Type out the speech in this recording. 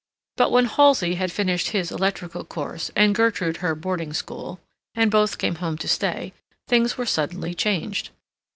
But when Halsey had finished his electrical course and Gertrude her boarding school, and both came home to stay, things were suddenly changed.